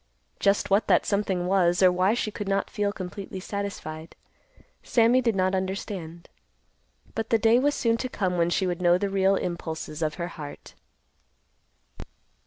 Just what that something was, or why she could not feel completely satisfied, Sammy did not understand. But the day was soon to come when she would know the real impulses of her heart.